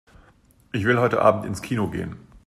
Ich will heute Abend ins Kino gehen.